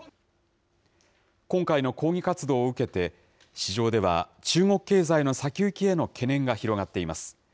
今回の抗議活動を受けて、市場では中国経済の先行きへの懸念が広がっています。